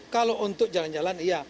kalau untuk jalan jalan iya